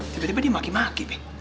tiba tiba dia maki maki